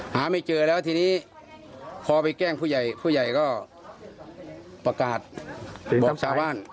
หาไม่เจอแล้วทีนี้พอไปแกล้งผู้ใหญ่ผู้ใหญ่ก็ประกาศบอกชาวบ้าน